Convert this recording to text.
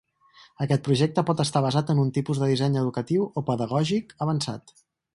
Aquest projecte pot estar basat en un tipus de disseny educatiu o 'pedagògic' avançat.